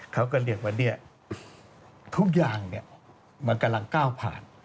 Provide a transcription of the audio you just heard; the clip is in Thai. เขาก็เรียกว่าทุกอย่างมันกำลังก้าวผ่าน